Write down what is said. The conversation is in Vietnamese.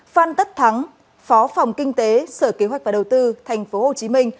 phan tất thắng phó phòng kinh tế sở kế hoạch và đầu tư tp hcm